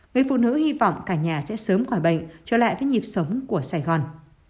người phụ nữ hy vọng cả nhà sẽ sớm khỏi bệnh trở lại với nhịp sống của sài gòn